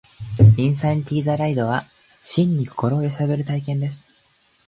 インサニティ・ザ・ライドは、真に心を揺さぶる体験です